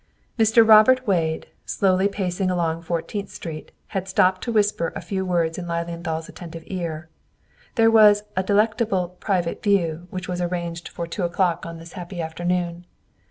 Mr. Robert Wade, slowly pacing along Fourteenth Street, had stopped to whisper a few words in Lilienthal's attentive ear. There was a delectable "private view" which was arranged for two o'clock on this happy afternoon.